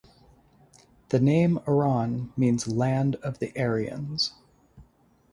The name "Iran" means "Land of the Aryans".